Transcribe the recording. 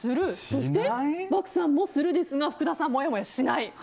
そして、漠さんもするですが福田さんはしない。